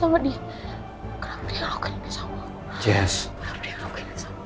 kenapa dia lakuin ini sama aku